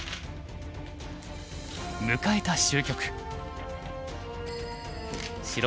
迎えた終局。